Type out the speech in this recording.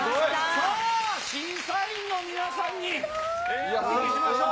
さあ、審査員の皆さんにお聞きしましょう。